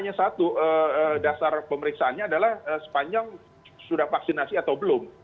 yang jelas yang sebetulnya hanya satu dasar pemeriksaannya adalah sepanjang sudah vaksinasi atau belum